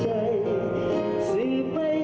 สร้างสรรพันธุ์ยิ่งใหญ่